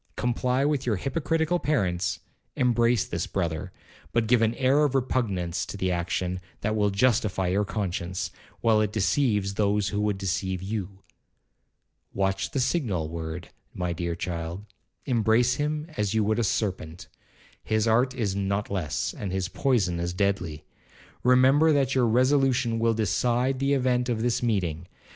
Comply with your hypocritical parents, embrace this brother, but give an air of repugnance to the action that will justify your conscience, while it deceives those who would deceive you. Watch the signal word, my dear child; embrace him as you would a serpent,—his art is not less, and his poison as deadly. Remember that your resolution will decide the event of this meeting.